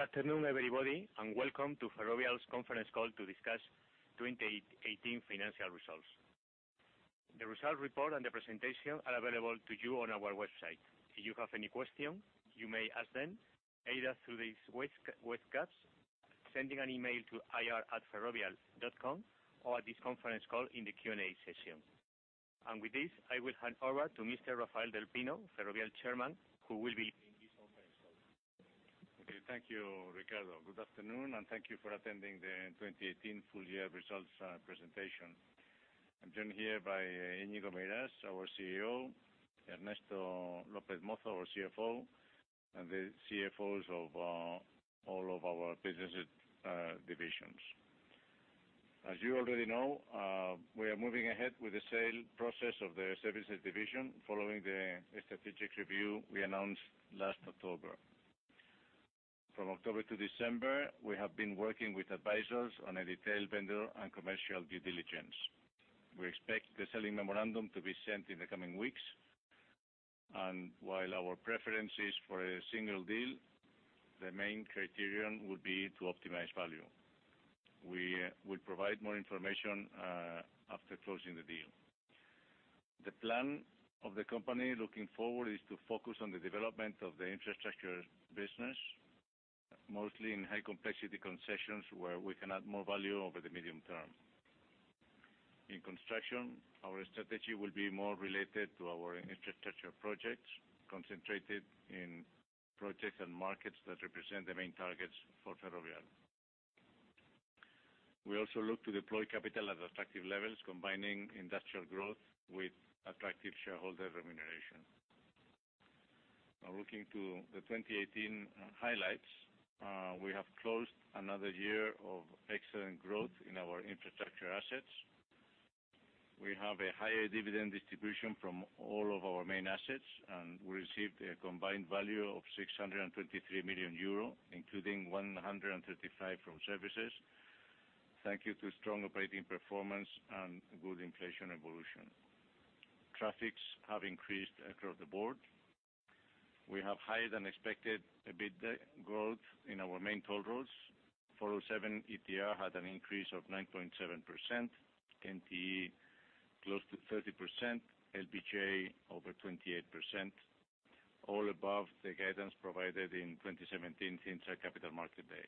Good afternoon, everybody, welcome to Ferrovial's conference call to discuss 2018 financial results. The results report and the presentation are available to you on our website. If you have any questions, you may ask them either through these webcast, sending an email to ir@ferrovial.com, or at this conference call in the Q&A session. With this, I will hand over to Mr. Rafael del Pino, Ferrovial Chairman, who will be leading this conference call. Okay. Thank you, Ricardo. Good afternoon, thank you for attending the 2018 full year results presentation. I'm joined here by Íñigo Meirás, our CEO, Ernesto López Mozo, our CFO, and the CFOs of all of our businesses divisions. You already know, we are moving ahead with the sale process of the services division following the strategic review we announced last October. From October to December, we have been working with advisors on a detailed vendor and commercial due diligence. We expect the selling memorandum to be sent in the coming weeks, and while our preference is for a single deal, the main criterion would be to optimize value. We will provide more information after closing the deal. The plan of the company looking forward is to focus on the development of the infrastructure business, mostly in high-complexity concessions where we can add more value over the medium term. In construction, our strategy will be more related to our infrastructure projects, concentrated in projects and markets that represent the main targets for Ferrovial. We also look to deploy capital at attractive levels, combining industrial growth with attractive shareholder remuneration. Looking to the 2018 highlights. We have closed another year of excellent growth in our infrastructure assets. We have a higher dividend distribution from all of our main assets, and we received a combined value of 623 million euro, including 135 from services, thank you to strong operating performance and good inflation evolution. Traffics have increased across the board. We have higher-than-expected EBITDA growth in our main toll roads. 407 ETR had an increase of 9.7%, NTE close to 30%, LBJ over 28%, all above the guidance provided in 2017 Cintra Capital Markets Day.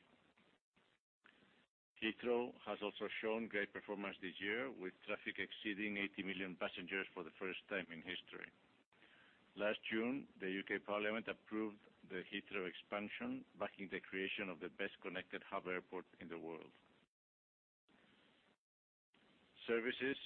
Heathrow has also shown great performance this year, with traffic exceeding 80 million passengers for the first time in history. Last June, the U.K. Parliament approved the Heathrow expansion, backing the creation of the best-connected hub airport in the world. Services,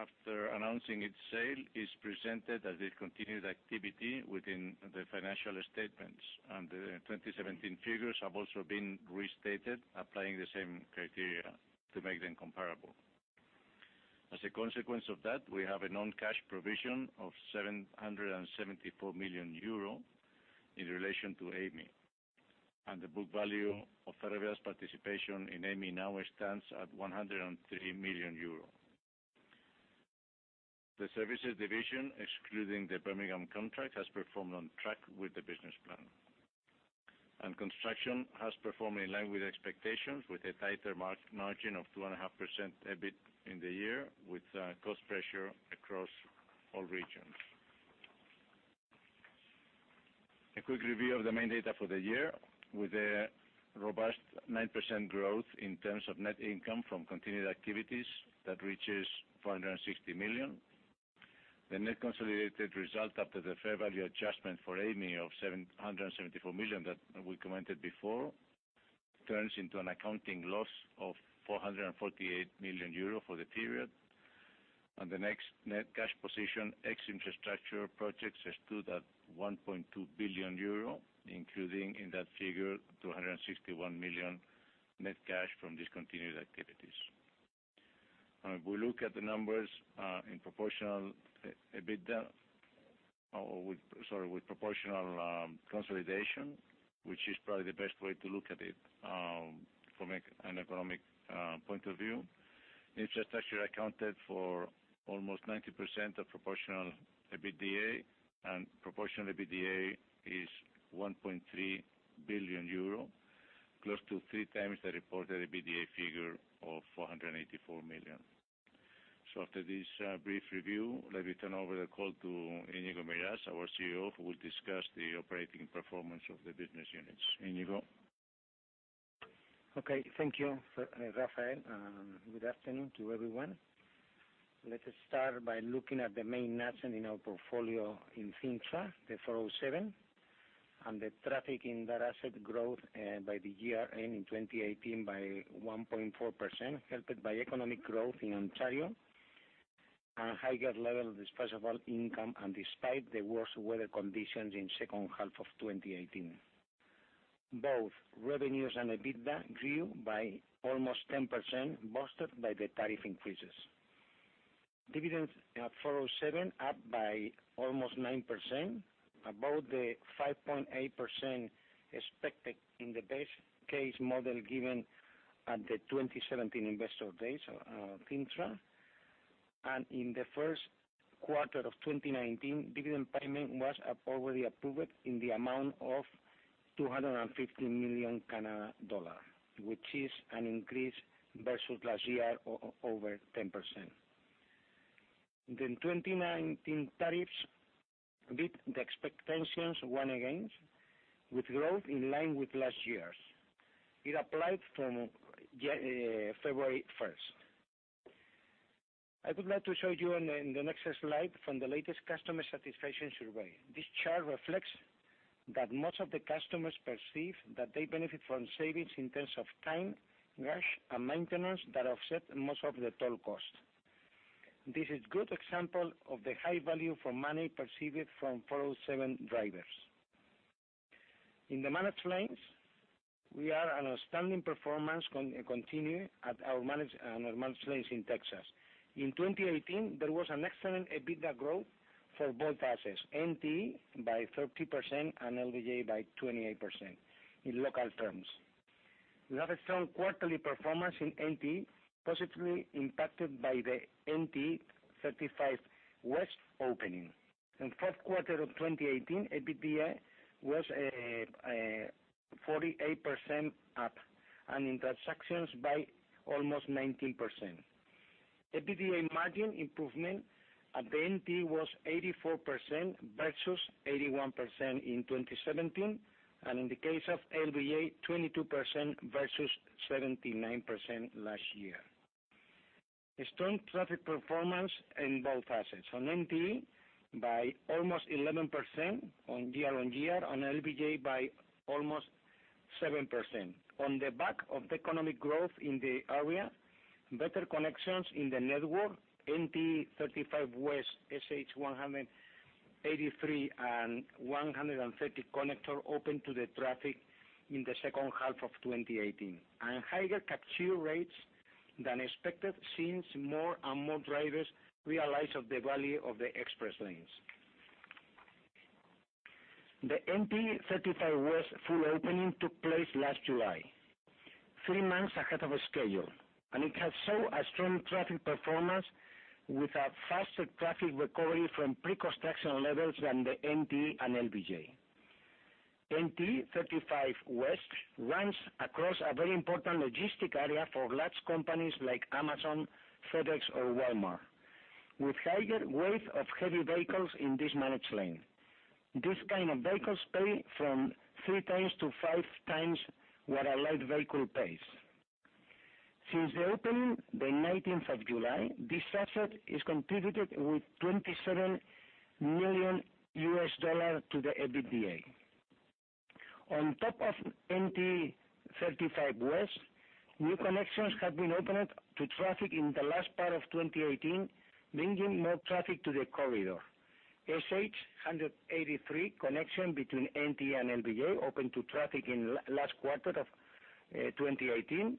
after announcing its sale, is presented as a continued activity within the financial statements, and the 2017 figures have also been restated, applying the same criteria to make them comparable. A consequence of that, we have a non-cash provision of 774 million euro in relation to Amey. The book value of Ferrovial's participation in Amey now stands at 103 million euros. The services division, excluding the Birmingham contract, has performed on track with the business plan. Construction has performed in line with expectations, with a tighter margin of 2.5% EBIT in the year, with cost pressure across all regions. A quick review of the main data for the year, with a robust 9% growth in terms of net income from continued activities that reaches 460 million. The net consolidated result after the fair value adjustment for Amey of 774 million that we commented before turns into an accounting loss of 448 million euro for the period. The next net cash position, ex infrastructure projects, stood at 1.2 billion euro, including in that figure, 261 million net cash from discontinued activities. If we look at the numbers in proportional EBITDA, with proportional consolidation, which is probably the best way to look at it from an economic point of view. Infrastructure accounted for almost 90% of proportional EBITDA, proportional EBITDA is 1.3 billion euro, close to three times the reported EBITDA figure of 484 million. After this brief review, let me turn over the call to Íñigo Meirás, our CEO, who will discuss the operating performance of the business units. Íñigo? Okay. Thank you, Rafael, and good afternoon to everyone. Let us start by looking at the main assets in our portfolio in Cintra, the 407. The traffic in that asset growth by the year-end in 2018 by 1.4%, helped by economic growth in Ontario and higher level disposable income despite the worst weather conditions in second half of 2018. Both revenues and EBITDA grew by almost 10%, boosted by the tariff increases. Dividends at 407 up by almost 9%, above the 5.8% expected in the best-case model given at the 2017 Investor Day. Cintra In the first quarter of 2019, dividend payment was already approved in the amount of 250 million dollars, which is an increase versus last year of over 10%. The 2019 tariffs beat the expectations once again, with growth in line with last year's. It applied from February 1st. I would like to show you in the next slide from the latest customer satisfaction survey. This chart reflects that most of the customers perceive that they benefit from savings in terms of time, gas, and maintenance that offset most of the toll cost. This is good example of the high value for money perceived from 407 drivers. In the managed lanes, we had an outstanding performance continue at our managed lanes in Texas. In 2018, there was an excellent EBITDA growth for both assets, NTE by 30% and LBJ by 28% in local terms. We have a strong quarterly performance in NTE, positively impacted by the NTE 35W opening. In fourth quarter of 2018, EBITDA was 48% up and in transactions by almost 19%. EBITDA margin improvement at the NTE was 84% versus 81% in 2017, and in the case of LBJ, 22% versus 79% last year. A strong traffic performance in both assets. On NTE by almost 11% year-on-year, on LBJ by almost 7%. On the back of the economic growth in the area, better connections in the network, NTE 35W, SH 183 and 130 connector open to the traffic in the second half of 2018, and higher capture rates than expected, since more and more drivers realize of the value of the express lanes. The NTE 35W full opening took place last July, three months ahead of schedule, and it has shown a strong traffic performance with a faster traffic recovery from pre-construction levels than the NTE and LBJ. NTE 35W runs across a very important logistic area for large companies like Amazon, FedEx, or Walmart, with higher weight of heavy vehicles in this managed lane. These kind of vehicles pay from three times to five times what a light vehicle pays. Since the opening, the 19th of July, this asset has contributed with $27 million to the EBITDA. On top of NTE 35W, new connections have been opened to traffic in the last part of 2018, bringing more traffic to the corridor. SH 183 connection between NTE and LBJ opened to traffic in last quarter of 2018,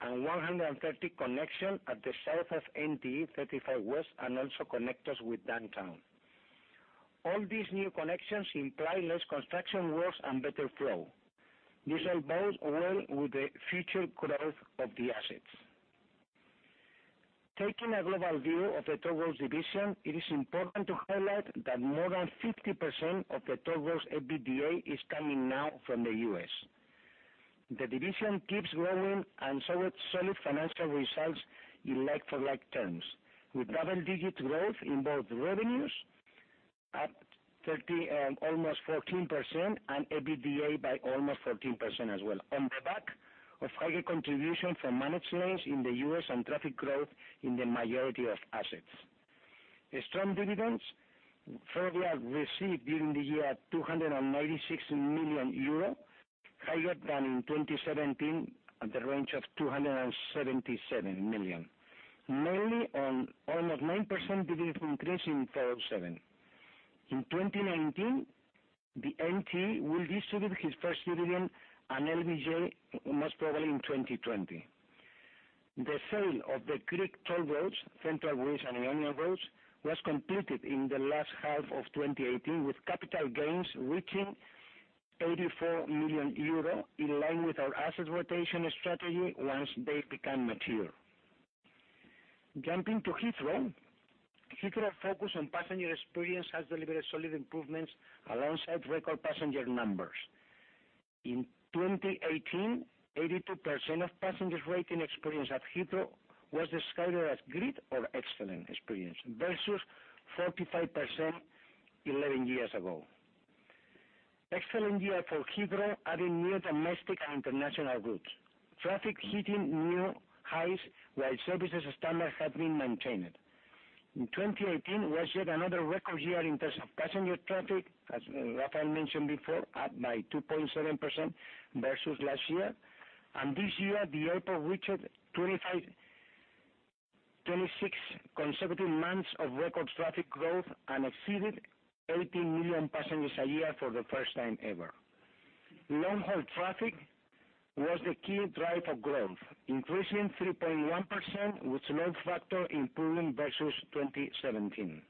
and 130 connection at the south of NTE 35W and also connectors with downtown. All these new connections imply less construction works and better flow. This all bodes well with the future growth of the assets. Taking a global view of the toll roads division, it is important to highlight that more than 50% of the toll roads EBITDA is coming now from the U.S. The division keeps growing and solid financial results in like-for-like terms, with double-digit growth in both revenues, up almost 14%, and EBITDA by almost 14% as well, on the back of higher contribution from managed lanes in the U.S. and traffic growth in the majority of assets. The strong dividends Ferrovial received during the year, 296 million euro, higher than in 2017 at the range of 277 million, mainly on almost 9% dividend increase in 407. In 2019, the NTE will distribute its first dividend and LBJ most probably in 2020. The sale of the Greek toll roads, Central Greece and Ionian Roads, was completed in the last half of 2018 with capital gains reaching 84 million euro, in line with our asset rotation strategy once they become mature. Jumping to Heathrow. Heathrow focus on passenger experience has delivered solid improvements alongside record passenger numbers. In 2018, 82% of passengers rating experience at Heathrow was described as great or excellent experience versus 45% 11 years ago. Excellent year for Heathrow, adding new domestic and international routes. Traffic hitting new highs while services standard have been maintained. 2018 was yet another record year in terms of passenger traffic, as Rafael mentioned before, up by 2.7% versus last year. This year, the airport reached 26 consecutive months of record traffic growth and exceeded 80 million passengers a year for the first time ever. Long-haul traffic was the key driver of growth, increasing 3.1% with load factor improving versus 2017.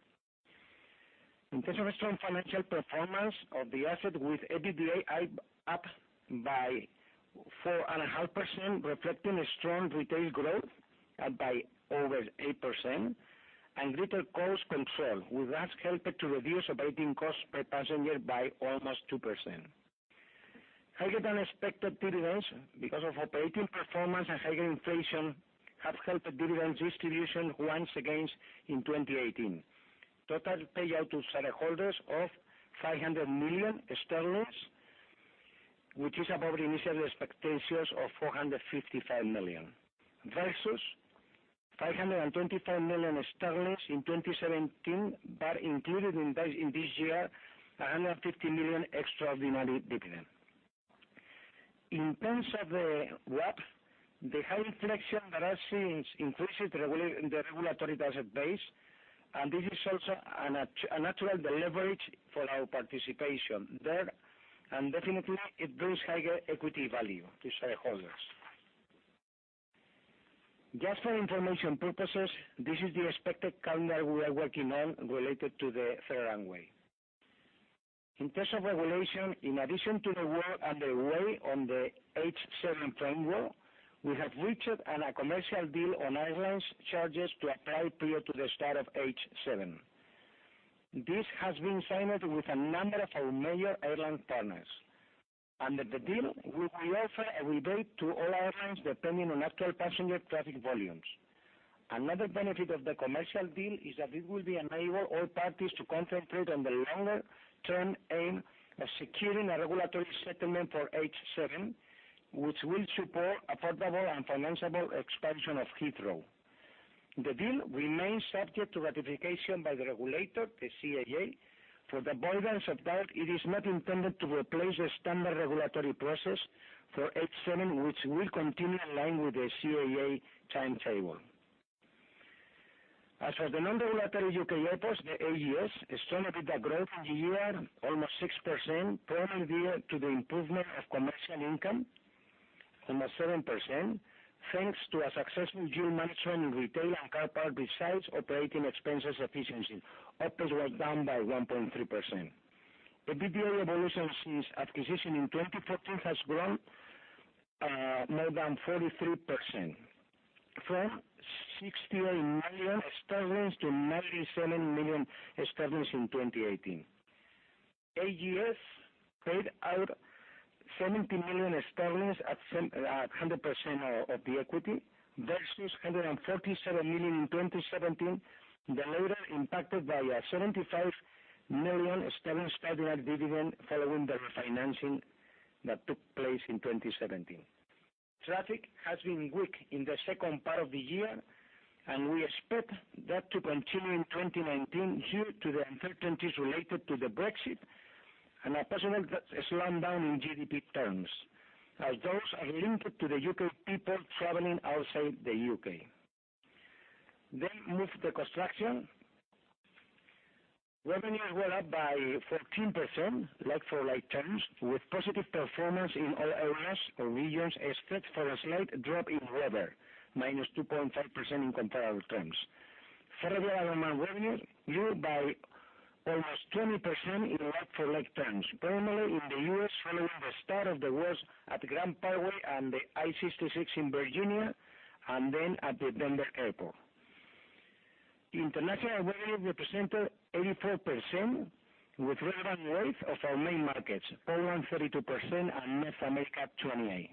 In terms of strong financial performance of the asset with EBITDA up by 4.5%, reflecting a strong retail growth up by over 8% and greater cost control, which has helped to reduce operating costs per passenger by almost 2%. Higher-than-expected dividends because of operating performance and higher inflation have helped dividend distribution once again in 2018. Total payout to shareholders of 500 million sterling, which is above the initial expectations of 455 million versus 525 million sterling in 2017. Included in this year, 150 million extraordinary dividend. In terms of the WACC, the high inflation that has seen increased the regulatory asset base, and this is also a natural de-leverage for our participation there, and definitely it brings higher equity value to shareholders. Just for information purposes, this is the expected calendar we are working on related to the third runway. In terms of regulation, in addition to the work underway on the H7 framework, we have reached a commercial deal on airlines charges to apply prior to the start of H7. This has been signed with a number of our major airline partners. Under the deal, we will offer a rebate to all airlines depending on actual passenger traffic volumes. Another benefit of the commercial deal is that it will enable all parties to concentrate on the longer-term aim of securing a regulatory settlement for H7, which will support affordable and financiable expansion of Heathrow. The deal remains subject to ratification by the regulator, the CAA. For the avoidance of doubt, it is not intended to replace the standard regulatory process for H7, which will continue in line with the CAA timetable. As for the non-regulatory U.K. airports, the AGS, strong EBITDA growth in the year, almost 6%, primarily due to the improvement of commercial income, almost 7%, thanks to a successful yield management in retail and car parks, besides operating expenses efficiency. OPEX was down by 1.3%. The EBITDA evolution since acquisition in 2014 has grown more than 43%, from 68 million sterling to 97 million sterling in 2018. AGS paid out 70 million sterling at 100% of the equity versus 147 million in 2017, the latter impacted by a 75 million sterling special dividend following the refinancing that took place in 2017. Traffic has been weak in the second part of the year, and we expect that to continue in 2019 due to the uncertainties related to the Brexit and a possible slowdown in GDP terms, as those are linked to the U.K. people traveling outside the U.K. Move to construction. Revenues were up by 14% like-for-like terms, with positive performance in all areas or regions, except for a slight drop in weather, -2.5% in comparable terms. Ferrovial Agroman revenue grew by almost 20% in like-for-like terms, primarily in the U.S., following the start of the works at Grand Parkway and the I-66 in Virginia, and then at the Denver Airport. International revenues represented 84% with relevant weight of our main markets, Poland 32% and North America 28%.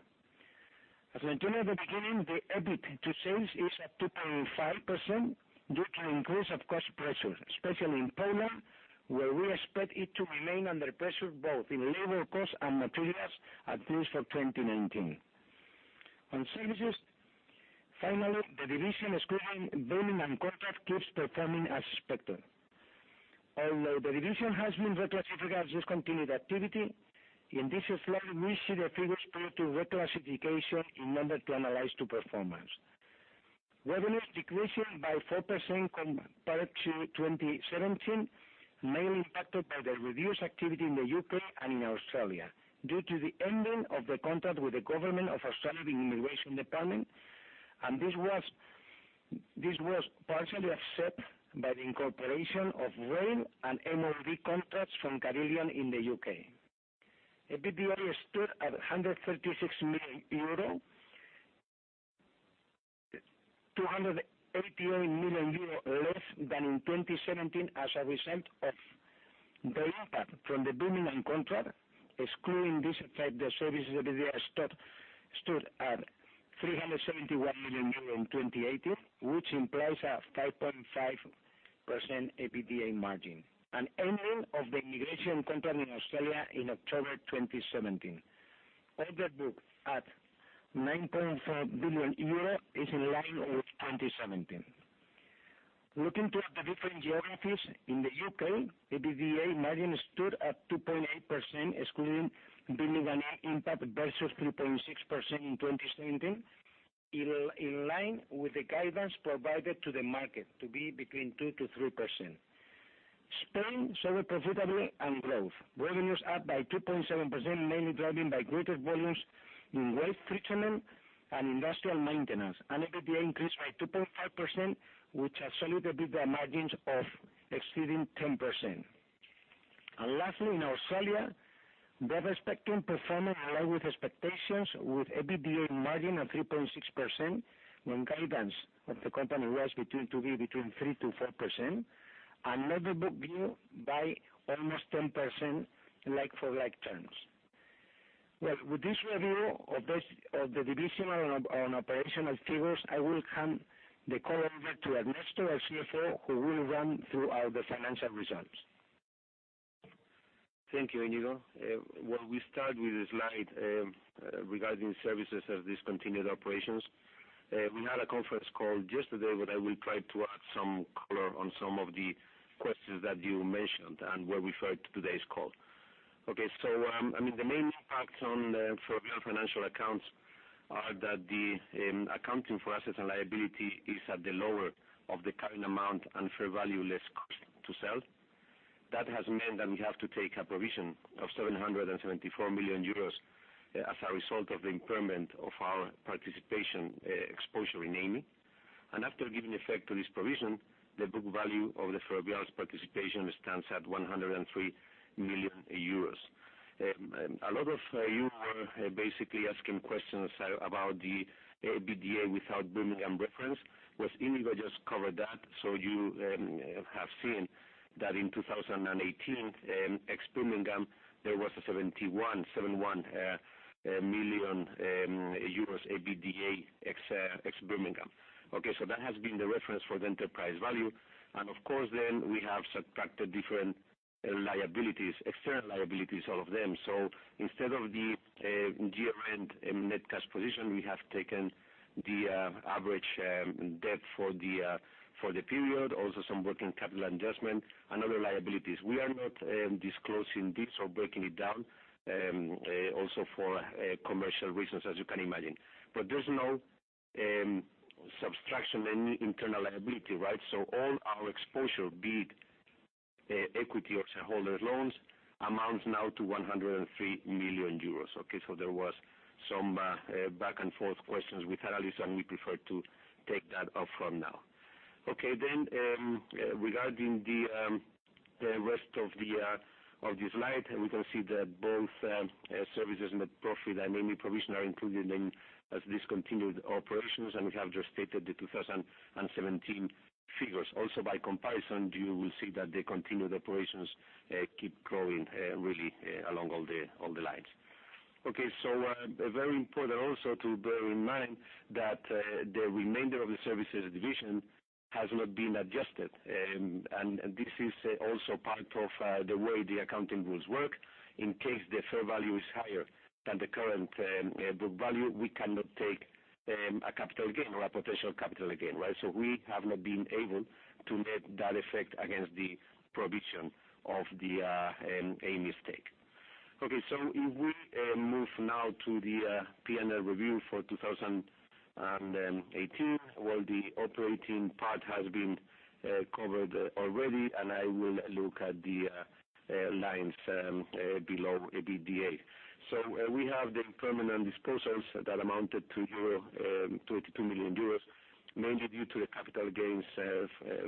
As mentioned at the beginning, the EBIT to sales is at 2.5% due to an increase of cost pressures, especially in Poland, where we expect it to remain under pressure both in labor cost and materials, at least for 2019. On services, finally, the division, excluding Birmingham contract, keeps performing as expected. Although the division has been reclassified as discontinued activity, in this slide, we see the figures prior to reclassification in order to analyze the performance. Revenues decreasing by 4% compared to 2017, mainly impacted by the reduced activity in the U.K. and in Australia due to the ending of the contract with the government of Australia, the immigration department. This was partially offset by the incorporation of rail and MoD contracts from Carillion in the U.K. EBITDA stood at 136 million euro, 288 million euro less than in 2017 as a result of the impact from the Birmingham contract. Excluding this effect, the services EBITDA stood at 371 million euro in 2018, which implies a 5.5% EBITDA margin. Ending of the immigration contract in Australia in October 2017. Order book at 9.5 billion euro is in line with 2017. Looking toward the different geographies, in the U.K., EBITDA margin stood at 2.8%, excluding Birmingham impact versus 3.6% in 2017, in line with the guidance provided to the market to be between 2%-3%. Spain, solid profitability and growth. Revenues up by 2.7%, mainly driven by greater volumes in waste treatment and industrial maintenance. EBITDA increased by 2.5%, which has solid EBITDA margins of exceeding 10%. Lastly, in Australia, Broadspectrum performed in line with expectations, with EBITDA margin of 3.6%, when guidance of the company was to be between 3%-4%. Net book value by almost 10% like-for-like terms. Well, with this review of the divisional and operational figures, I will hand the call over to Ernesto, our CFO, who will run through all the financial results. Thank you, Iñigo. Well, we start with a slide regarding services of discontinued operations. We had a conference call yesterday, but I will try to add some color on some of the questions that you mentioned and were referred to today's call. Okay. The main impact for real financial accounts are that the accounting for assets and liability is at the lower of the current amount and fair value less cost to sell. That has meant that we have to take a provision of 774 million euros as a result of the impairment of our participation, exposure in Amey. After giving effect to this provision, the book value of the Ferrovial's participation stands at 103 million euros. A lot of you were basically asking questions about the EBITDA without Birmingham reference, which Iñigo just covered that. You have seen that in 2018, ex Birmingham, there was a 71 million euros EBITDA, ex Birmingham. Okay? That has been the reference for the enterprise value. Of course, then we have subtracted different liabilities, external liabilities, all of them. Instead of the year-end net cash position, we have taken the average debt for the period, also some working capital adjustment and other liabilities. We are not disclosing this or breaking it down, also for commercial reasons, as you can imagine. There's no subtraction in internal liability, right? All our exposure, be it equity or shareholders loans, amounts now to 103 million euros. Okay? There was some back-and-forth questions with analysts, and we prefer to take that up front now. Okay, regarding the rest of the slide, we can see that both services net profit and Amey provision are included in as discontinued operations, and we have just stated the 2017 figures. Also, by comparison, you will see that the continued operations keep growing really along all the lines. Okay, very important also to bear in mind that the remainder of the services division has not been adjusted. This is also part of the way the accounting rules work. In case the fair value is higher than the current book value, we cannot take a capital gain or a potential capital gain, right? We have not been able to net that effect against the provision of the Amey stake. Okay, if we move now to the P&L review for 2018, well, the operating part has been covered already, and I will look at the lines below EBITDA. We have the permanent disposals that amounted to 22 million euros, mainly due to the capital gains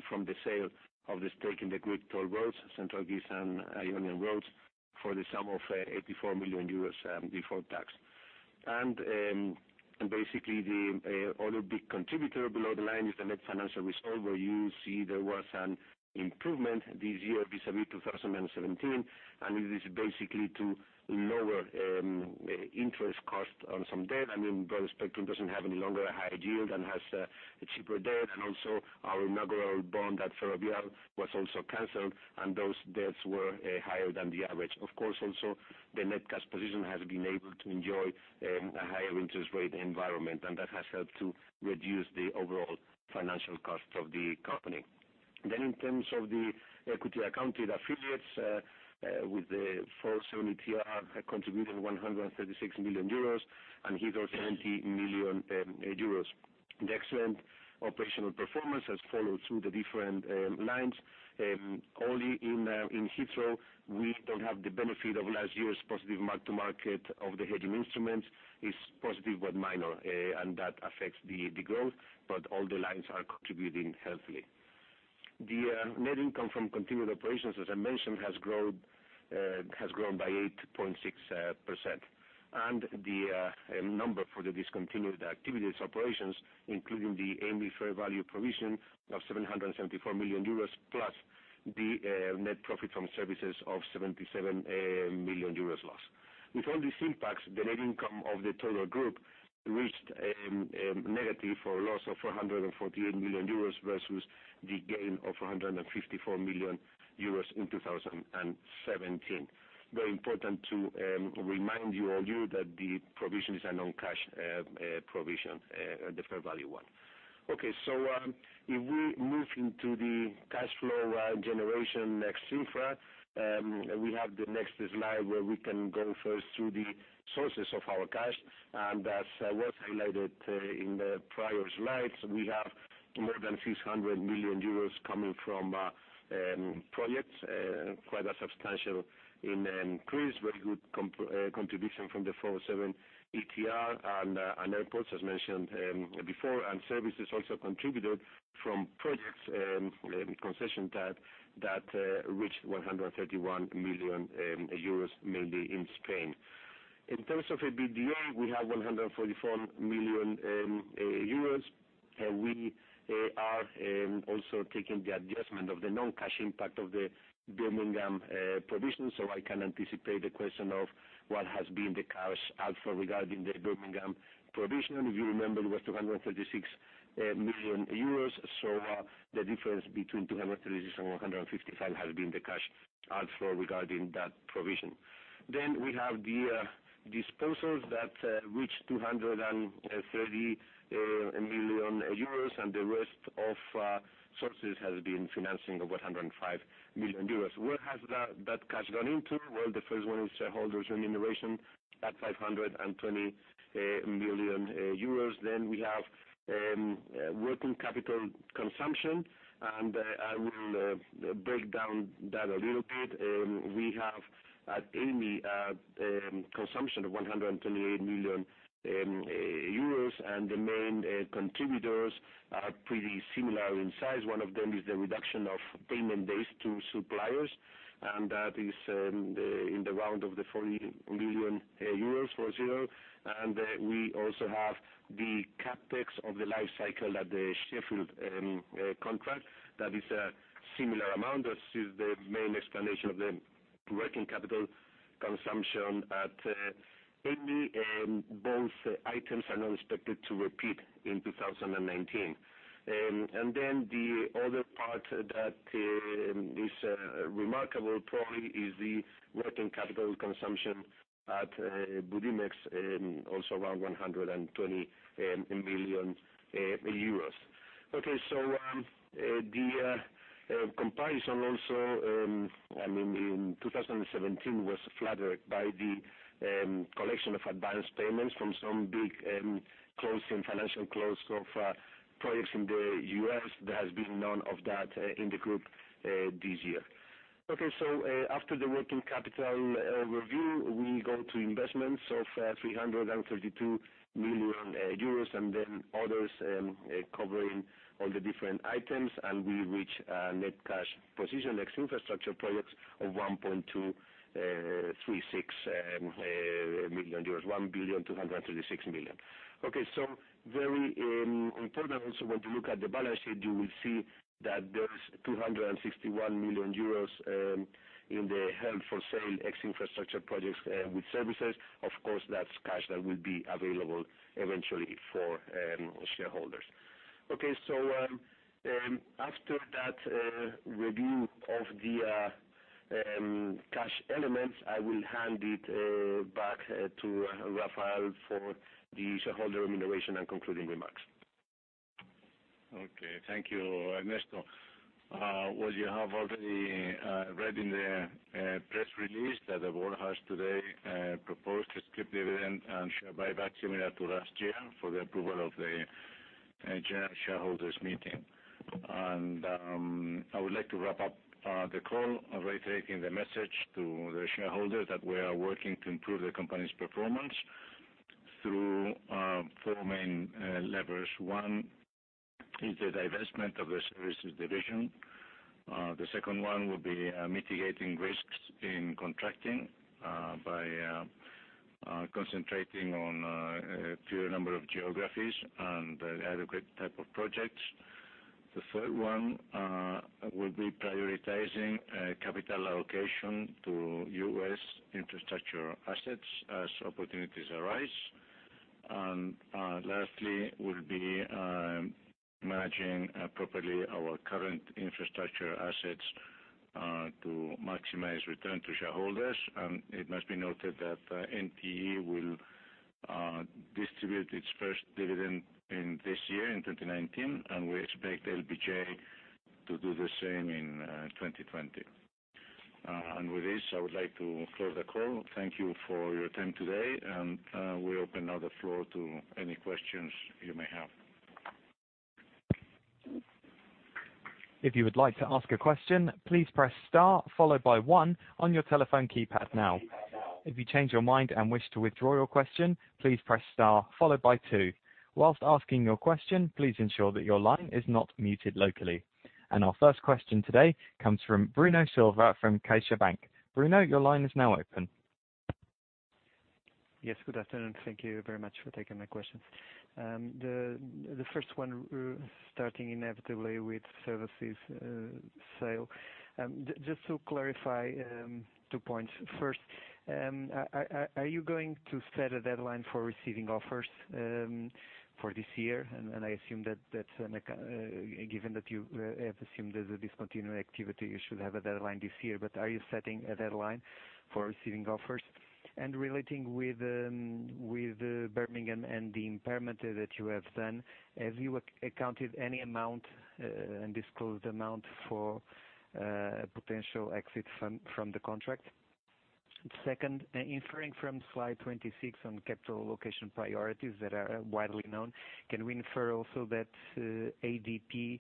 from the sale of the stake in the Greek toll roads, Central Greece and Ionian Roads, for the sum of 84 million euros before tax. Basically, the other big contributor below the line is the net financial result, where you see there was an improvement this year vis-à-vis 2017, and it is basically to lower interest cost on some debt. Then Broadspectrum doesn't have any longer a high yield and has a cheaper debt. Also our inaugural bond at Ferrovial was also canceled, and those debts were higher than the average. Of course, also, the net cash position has been able to enjoy a higher interest rate environment, and that has helped to reduce the overall financial cost of the company. In terms of the equity accounted affiliates, with the 407 ETR contributing 136 million euros and Heathrow, 70 million euros. The excellent operational performance has followed through the different lines. Only in Heathrow, we don't have the benefit of last year's positive mark to market of the hedging instruments. It's positive but minor, and that affects the growth, but all the lines are contributing healthily. The net income from continued operations, as I mentioned, has grown by 8.6%. The number for the discontinued activities operations, including the Amey fair value provision of 774 million euros, plus the net profit from services of 77 million euros loss. With all these impacts, the net income of the total group reached a negative or a loss of 448 million euros versus the gain of 154 million euros in 2017. Very important to remind all you that the provision is a non-cash provision, the fair value one. If we move into the cash flow generation, ex infra, we have the next slide where we can go first through the sources of our cash. As was highlighted in the prior slides, we have more than 600 million euros coming from projects, quite a substantial Increased very good contribution from the 407 ETR and airports, as mentioned before. Services also contributed from projects, concession type, that reached 131 million euros, mainly in Spain. In terms of FBD, we have EUR 144 million. We are also taking the adjustment of the non-cash impact of the Birmingham provision. I can anticipate the question of what has been the cash outflow regarding the Birmingham provision. If you remember, it was 236 million euros. The difference between 236 and 155 has been the cash outflow regarding that provision. We have the disposals that reached 230 million euros, and the rest of sources has been financing of 105 million euros. Where has that cash gone into? The first one is shareholders' remuneration at 520 million euros. We have working capital consumption, and I will break down that a little bit. We have at Amey a consumption of 128 million euros, and the main contributors are pretty similar in size. One of them is the reduction of payment days to suppliers, and that is in the region of 40 million euros, four, zero. We also have the CapEx of the life cycle at the Sheffield contract. That is a similar amount. This is the main explanation of the working capital consumption at Amey. Both items are not expected to repeat in 2019. The other part that is remarkable probably is the working capital consumption at Budimex, also around EUR 120 million. The comparison also in 2017 was flattered by the collection of advanced payments from some big closing financial close of projects in the U.S. There has been none of that in the group this year. After the working capital review, we go to investments of 332 million euros and then others covering all the different items, and we reach a net cash position, ex infrastructure projects, of 1.236 billion euros, 1 billion, 236 million. Very important also when to look at the balance sheet, you will see that there's 261 million euros in the held-for-sale ex infrastructure projects with services. Of course, that's cash that will be available eventually for shareholders. After that review of the cash elements, I will hand it back to Rafael for the shareholder remuneration and concluding remarks. Okay. Thank you, Ernesto. Well, you have already read in the press release that the board has today proposed a scrip dividend and share buyback similar to last year for the approval of the general shareholders meeting. I would like to wrap up the call reiterating the message to the shareholders that we are working to improve the company's performance through four main levers. One is the divestment of the services division. The second one will be mitigating risks in contracting by concentrating on a fewer number of geographies and adequate type of projects. The third one will be prioritizing capital allocation to U.S. infrastructure assets as opportunities arise. Lastly, we'll be managing properly our current infrastructure assets to maximize return to shareholders. It must be noted that NTE will distribute its first dividend in this year, in 2019, and we expect LBJ to do the same in 2020. With this, I would like to close the call. Thank you for your time today, and we open now the floor to any questions you may have. If you would like to ask a question, please press star followed by one on your telephone keypad now. If you change your mind and wish to withdraw your question, please press star followed by two. Whilst asking your question, please ensure that your line is not muted locally. Our first question today comes from Bruno Silva from CaixaBank. Bruno, your line is now open. Yes. Good afternoon. Thank you very much for taking my questions. The first one, starting inevitably with services sale. Just to clarify two points. First, are you going to set a deadline for receiving offers for this year? I assume that given that you have assumed as a discontinued activity, you should have a deadline this year, but are you setting a deadline for receiving offers? Relating with Birmingham and the impairment that you have done, have you accounted any amount and disclosed amount for a potential exit from the contract? Second, inferring from slide 26 on capital allocation priorities that are widely known, can we infer also that ADP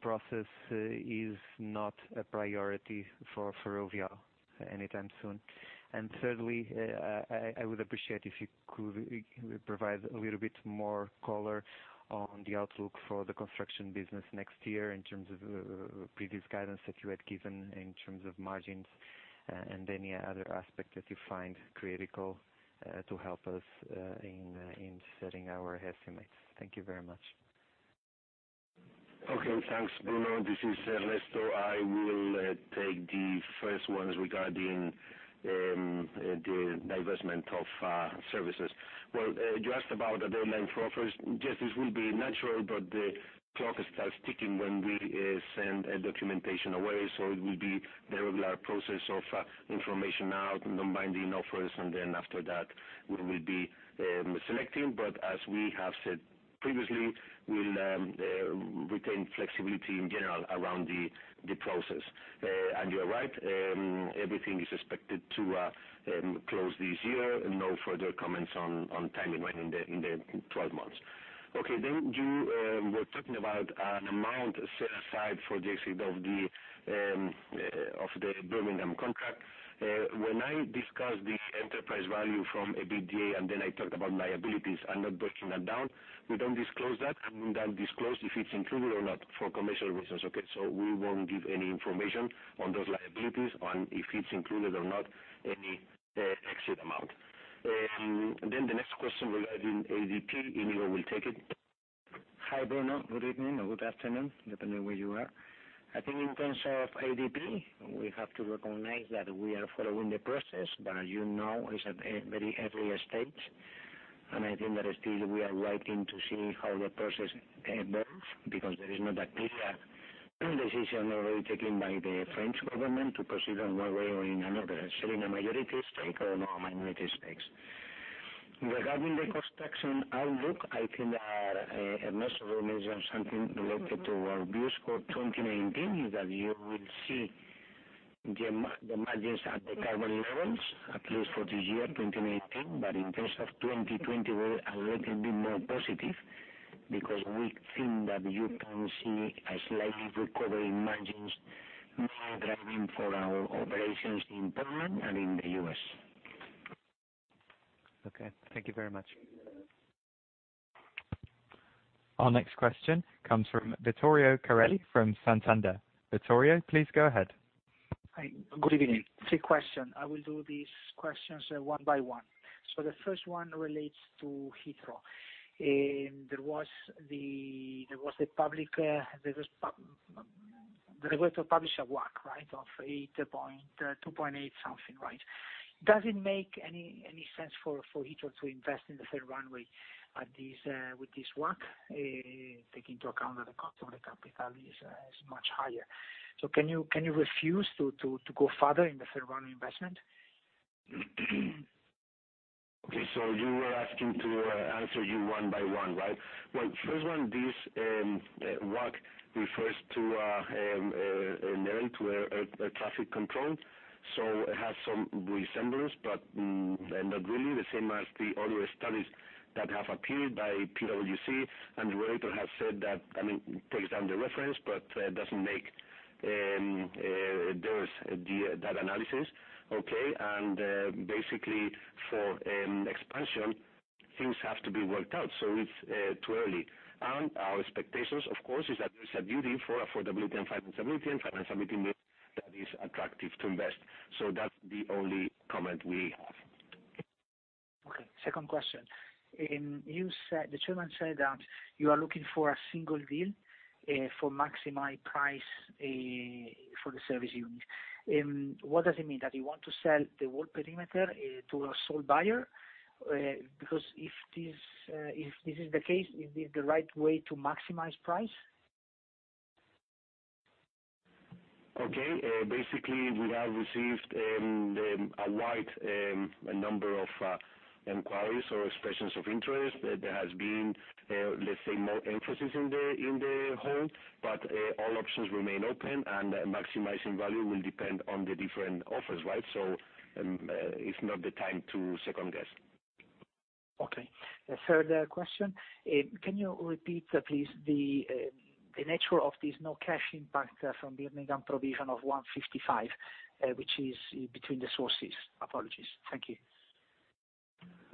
process is not a priority for over anytime soon? thirdly, I would appreciate if you could provide a little bit more color on the outlook for the construction business next year in terms of previous guidance that you had given in terms of margins, and any other aspect that you find critical to help us in setting our estimates. Thank you very much. Okay. Thanks, Bruno. This is Ernesto. I will take the first ones regarding the divestment of services. You asked about a deadline for offers. Yes, this will be natural, but the clock starts ticking when we send documentation away. It will be the regular process of information out, non-binding offers, and then after that, we will be selecting. As we have said previously, we'll retain flexibility in general around the process. You're right, everything is expected to close this year. No further comments on timeline in the 12 months. Okay. You were talking about an amount set aside for the exit of the Birmingham contract. When I discussed the enterprise value from EBITDA, then I talked about liabilities and not breaking that down, we don't disclose that, and we don't disclose if it's included or not for commercial reasons. Okay. We won't give any information on those liabilities on if it's included or not, any exit amount. The next question regarding ADP, Íñigo will take it. Hi, Bruno. Good evening or good afternoon, depending on where you are. I think in terms of ADP, we have to recognize that we are following the process, as you know, it's at a very early stage, and I think that still we are waiting to see how the process evolves because there is not a clear decision already taken by the French government to proceed in one way or in another, selling a majority stake or more minority stakes. Regarding the construction outlook, I think that Ernesto mentioned something related to our views for 2019, is that you will see the margins at the current levels, at least for this year, 2019. In terms of 2020, we're a little bit more positive because we think that you can see a slight recovery in margins, more driving for our operations in Poland and in the U.S. Okay. Thank you very much. Our next question comes from Vittorio Corelli from Santander. Vittorio, please go ahead. Hi, good evening. Three question. I will do these questions one by one. The first one relates to Heathrow. There was the regulator publish a WACC, right? Of 2.8 something, right? Does it make any sense for Heathrow to invest in the third runway with this WACC, take into account that the cost of the capital is much higher? Can you refuse to go further in the third runway investment? Okay. You were asking to answer you one by one, right? Well, first one, this WACC refers to a traffic control. It has some resemblance, but not really the same as the other studies that have appeared by PwC and the regulator have said that, I mean, takes down the reference but doesn't make those data analysis. Okay. Basically, for expansion, things have to be worked out. It's too early. Our expectations, of course, is that there's a duty for affordability and financial ability, and financial ability means that is attractive to invest. That's the only comment we have. Okay. Second question. The chairman said that you are looking for a single deal for maximize price for the service unit. What does it mean? That you want to sell the whole perimeter to a sole buyer? If this is the case, is this the right way to maximize price? Okay. Basically, we have received a wide number of inquiries or expressions of interest. There has been, let's say, more emphasis in the whole. All options remain open, and maximizing value will depend on the different offers. Right? It's not the time to second-guess. Okay. Third question. Can you repeat, please, the nature of this no cash impact from Birmingham provision of 155, which is between the sources. Apologies. Thank you.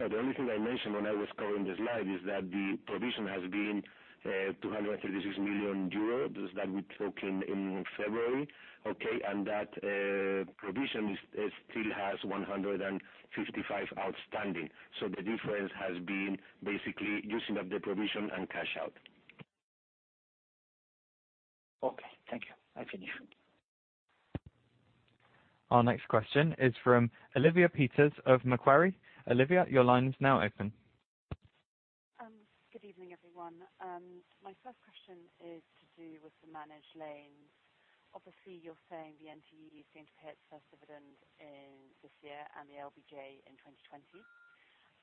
No, the only thing I mentioned when I was covering the slide is that the provision has been €236 million. That we took in February, okay? That provision still has €155 outstanding. The difference has been basically using up the provision and cash out. Okay. Thank you. I finish. Our next question is from Elodie Rall of Macquarie. Elodie, your line is now open. Good evening, everyone. My first question is to do with the managed lanes. Obviously, you're saying the NTE is going to pay its first dividend in this year and the LBJ in 2020.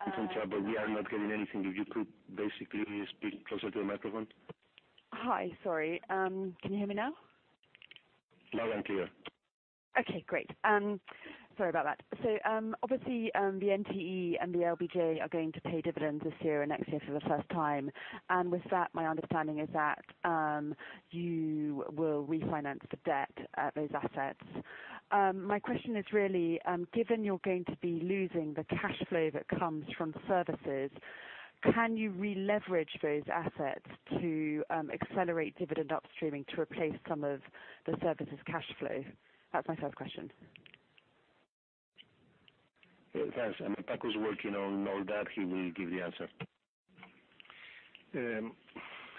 I'm sorry, we are not getting anything. If you could basically speak closer to a microphone? Hi. Sorry. Can you hear me now? Now I can hear. Okay, great. Sorry about that. Obviously, the NTE and the LBJ are going to pay dividends this year and next year for the first time. With that, my understanding is that you will refinance the debt at those assets. My question is really, given you're going to be losing the cash flow that comes from services, can you re-leverage those assets to accelerate dividend upstreaming to replace some of the services cash flow? That's my first question. Thanks. Paco's working on all that. He will give the answer.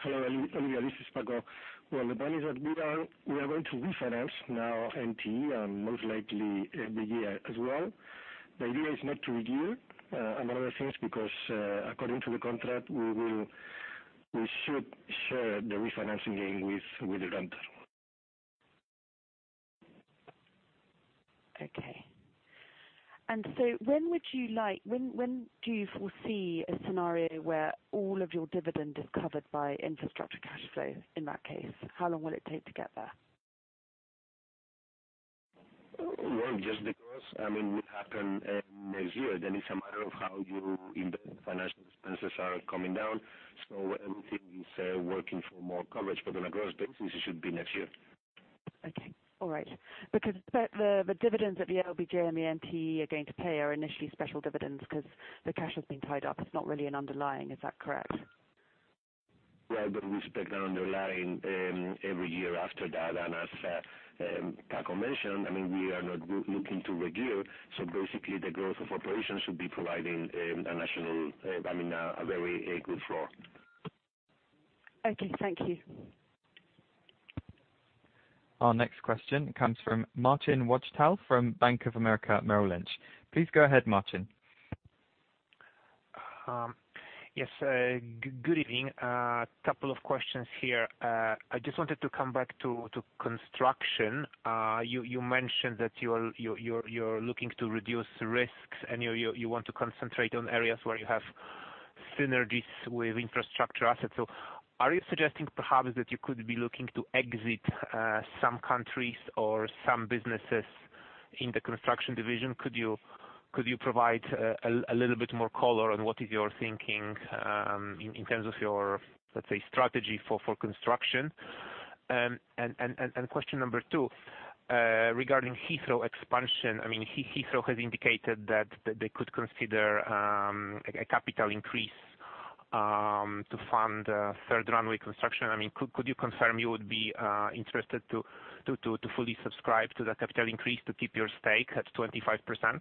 Hello, Elodie. This is Paco. Well, the plan is that we are going to refinance now NTE, and most likely LBJ as well. The idea is not to review, among other things, because according to the contract, we should share the refinancing gain with the grantor. When do you foresee a scenario where all of your dividend is covered by infrastructure cash flow? In that case, how long will it take to get there? Just because, it will happen next year, it's a matter of how you embed the financial expenses are coming down. NTE is working for more coverage. On a gross basis, it should be next year. Okay. All right. The dividends that the LBJ and the NTE are going to pay are initially special dividends because the cash has been tied up. It's not really an underlying, is that correct? We expect an underlying every year after that. As Paco mentioned, we are not looking to review. Basically, the growth of operations should be providing a very good floor. Okay. Thank you. Our next question comes from Marcin Wojtal from Bank of America Merrill Lynch. Please go ahead, Marcin. Yes. Good evening. A couple of questions here. I just wanted to come back to construction. You mentioned that you're looking to reduce risks and you want to concentrate on areas where you have synergies with infrastructure assets. Are you suggesting perhaps that you could be looking to exit some countries or some businesses in the construction division? Could you provide a little bit more color on what is your thinking, in terms of your, let's say, strategy for construction? Question number 2, regarding Heathrow expansion. Heathrow has indicated that they could consider a capital increase to fund a third runway construction. Could you confirm you would be interested to fully subscribe to that capital increase to keep your stake at 25%?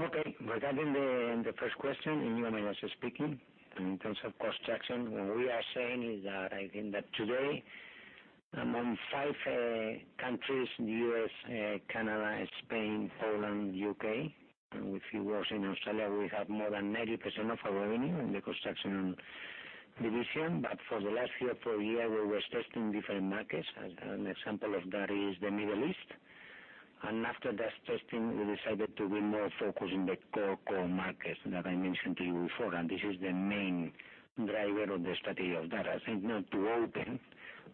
Okay. Regarding the first question, Íñigo Meirás speaking. In terms of construction, what we are saying is that I think that today, among five countries, the U.S., Canada, Spain, Poland, U.K., and with few roads in Australia, we have more than 90% of our revenue in the construction division. For the last year, for a year, we were testing different markets. An example of that is the Middle East. After that testing, we decided to be more focused in the core markets that I mentioned to you before. This is the main driver of the strategy of that. I think now to open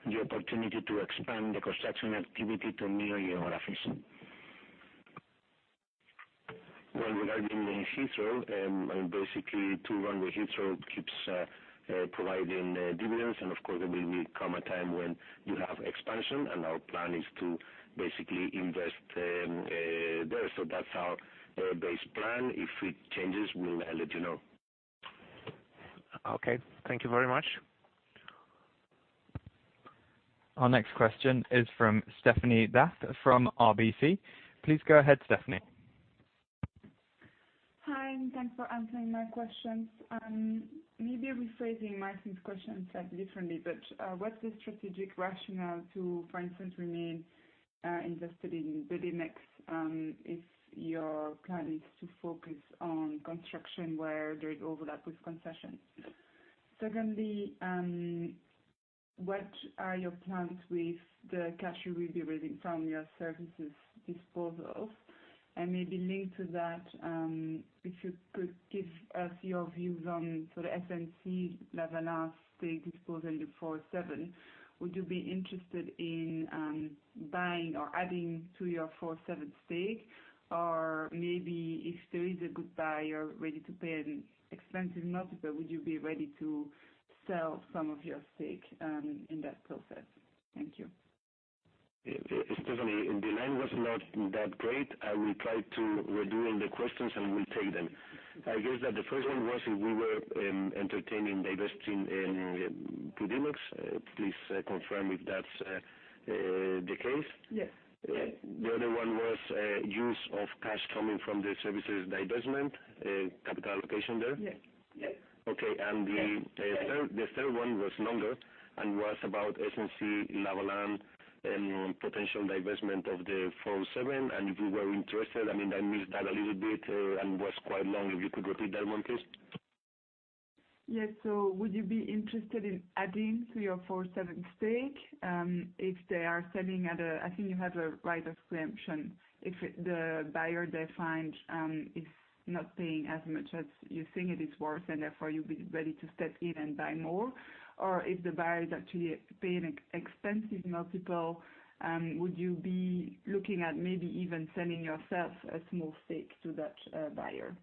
the opportunity to expand the construction activity to new geographies. Well, regarding Heathrow, basically two runway, Heathrow keeps providing dividends. Of course, there will come a time when you have expansion. Our plan is to basically invest there. That's our base plan. If it changes, we'll let you know. Okay. Thank you very much. Our next question is from Stephanie D'Ath from RBC. Please go ahead, Stephanie. Hi, thanks for answering my questions. Maybe rephrasing Marcin's questions slightly differently, what's the strategic rationale to, for instance, remain invested in Budimex, if your plan is to focus on construction where there is overlap with concessions? Secondly, what are your plans with the cash you will be raising from your services disposal? Maybe linked to that, if you could give us your views on, the SNC-Lavalin stake disposal in the 407. Would you be interested in buying or adding to your 407 stake? Maybe if there is a good buyer ready to pay an expensive multiple, would you be ready to sell some of your stake in that process? Thank you. Stephanie, the line was not that great. I will try to redo all the questions, we'll take them. I guess that the first one was if we were entertaining divest in Budimex. Please confirm if that's the case. Yes. The other one was use of cash coming from the services divestment, capital allocation there. Yes. Okay. The third one was longer and was about SNC-Lavalin potential divestment of the 407, if you were interested. I missed that a little bit, was quite long, if you could repeat that one, please. Yes. Would you be interested in adding to your 407 ETR stake if they are selling at a, I think you have a right of preemption, if the buyer they find is not paying as much as you think it is worth, and therefore you'll be ready to step in and buy more? Or if the buyer is actually paying expensive multiple, would you be looking at maybe even selling yourself a small stake to that buyer?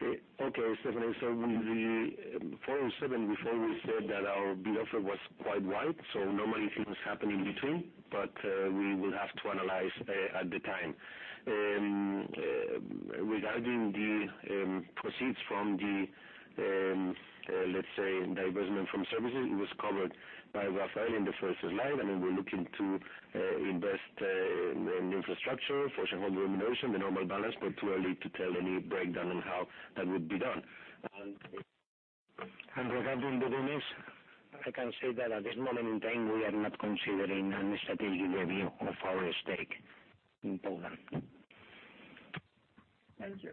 Okay, Stephanie. With the 407 ETR, before we said that our bid offer was quite wide, normally things happen in between. We will have to analyze at the time. Regarding the proceeds from the, let's say, divestment from services, it was covered by Rafael in the first slide. We're looking to invest in infrastructure, for shareholder remuneration, the normal balance, too early to tell any breakdown on how that would be done. Regarding Budimex, I can say that at this moment in time, we are not considering any strategic review of our stake in Poland. Thank you.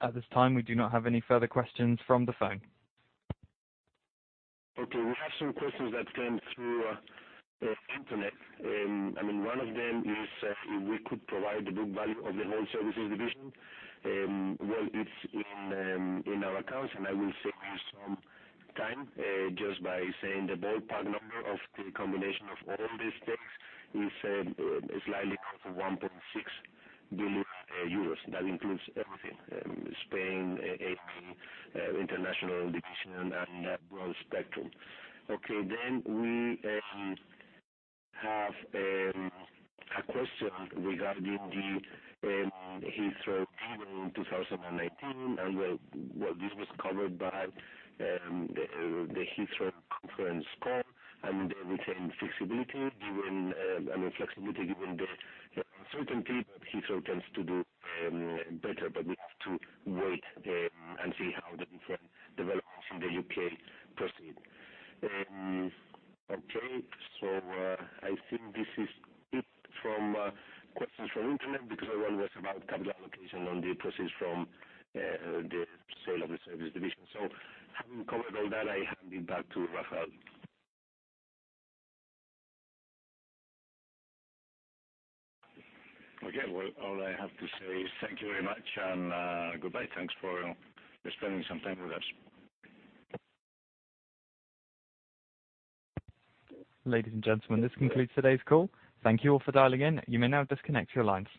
At this time, we do not have any further questions from the phone. We have some questions that came through internet. One of them is if we could provide the book value of the whole services division. Well, it's in our accounts, and I will save you some time just by saying the ballpark number of the combination of all these things is slightly close to 1.6 billion euros. That includes everything, Spain, AAR, international division, and Broadspectrum. We have a question regarding the Heathrow deal in 2019, and, well, this was covered by the Heathrow conference call, and we said flexibility, given the uncertainty, but Heathrow tends to do better. We have to wait and see how the different developments in the U.K. proceed. I think this is it from questions from internet, because everyone was about capital allocation on the proceeds from the sale of the services division. Having covered all that, I hand it back to Rafael. Well, all I have to say is thank you very much and goodbye. Thanks for spending some time with us. Ladies and gentlemen, this concludes today's call. Thank you all for dialing in. You may now disconnect your lines.